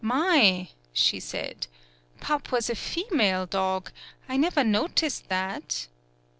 "My!" she said. "Pup was a female dog! I never noticed that